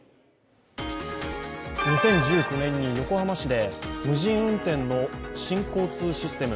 ２０１９年に横浜市で無人運転の新交通システム